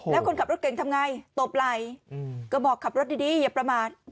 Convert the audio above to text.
แล้วคนขับรถเก่งทำไงตบไหล่ก็บอกขับรถดีอย่าประมาท